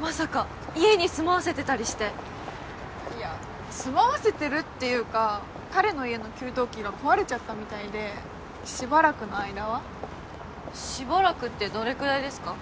まさか家に住まわせてたりしていや住まわせてるっていうか彼の家の給湯器が壊れちゃったみたいでしばらくの間はしばらくってどれくらいですか？